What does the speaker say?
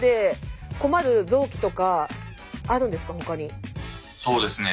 あのそうですね。